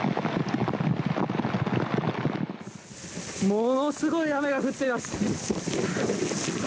ものすごい雨が降っています。